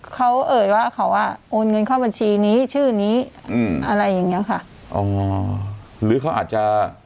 เขาเอ่ยว่าเขาอ่ะโอนเงินเข้าบัญชีนี้ชื่อนี้อืมอะไรอย่างเงี้ยค่ะอ๋อหรือเขาอาจจะ